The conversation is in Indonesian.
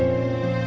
kamu mau ngerti